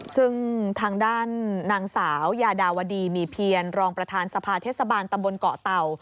ซึ่งทางด้านนางสาวยาดาวดีมีเพียรรองประธานสภาเทศบาลตำบลเกาะเต่า